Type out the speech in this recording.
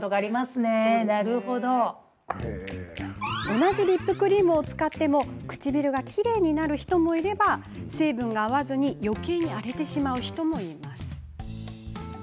同じリップクリームを使っても唇がきれいになる人もいれば成分が合わずよけいに荒れてしまう人もいます。